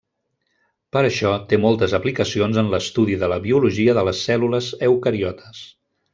Per això, té moltes aplicacions en l'estudi de la biologia de les cèl·lules eucariotes.